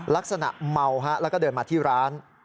ลักษณะเมาแล้วก็เดินมาที่ร้าน